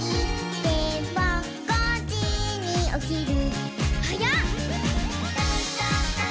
「でも５じにおきる」